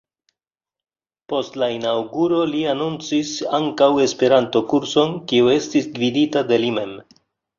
Post la inaŭguro li anoncis ankaŭ Esperanto-kurson, kiu estis gvidita de li mem.